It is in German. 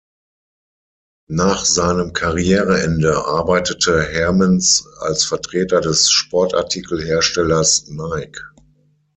Nach seinem Karriereende arbeitete Hermens als Vertreter des Sportartikelherstellers Nike.